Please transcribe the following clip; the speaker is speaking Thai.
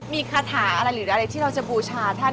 มีคาถาอะไรหรืออะไรที่เราจะบูชาท่าน